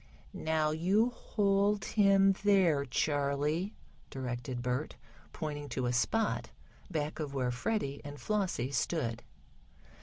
"Now you hold him there, Charley," directed Bert, pointing to a spot back of where Freddie and Flossie stood.